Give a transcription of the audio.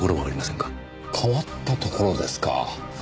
変わったところですか。